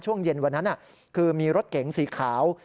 ช่วงเย็นวันนั้นคือมีรถเก๋งสีขาว